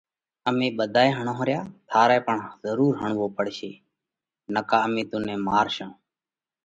امي ٻڌائي هڻونه ريا ٿارئہ پڻ ضرُور هڻوو پڙشي نڪا امي تُون نئہ مارشون۔